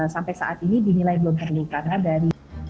sampai saat ini dinilai belum perlu karena dari